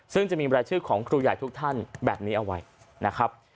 ซึ่งจะมีรายชื่อของครูใหญ่ทุกท่านแบบนี้เอาไว้นะครับ